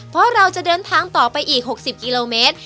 เพราะเราจะเดินทางต่อไปอีก๖๐กิโลเมตร